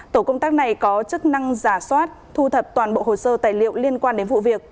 tổ công tác này có chức năng giả soát thu thập toàn bộ hồ sơ tài liệu liên quan đến vụ việc